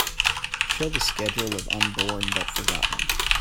show the schedule of Unborn but Forgotten